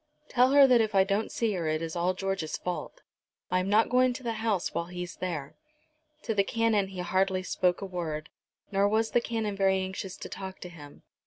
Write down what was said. Tell her that if I don't see her it is all George's fault. I am not going to the house while he's there." To the Canon he hardly spoke a word, nor was the Canon very anxious to talk to him.